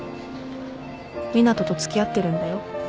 湊斗と付き合ってるんだよ